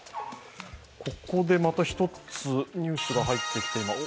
ここでまた１つ、ニュースが入ってきています。